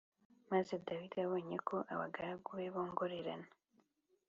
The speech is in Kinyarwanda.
Maze Dawidi abonye ko abagaragu be bongorerana